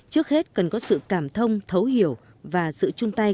trước hết cần có sự cảm thông thấu hiểu và sự chung tay